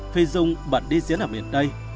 phi nhung bận đi diễn ở miền tây